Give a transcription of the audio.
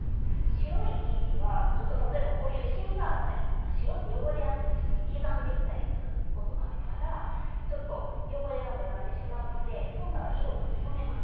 白い生地はちょっと例えばこういうシミがあったり白って汚れやすいし黄ばんできたりすることがあるからちょっと汚れが目立ってしまうので今回は色を染めます。